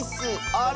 あれ？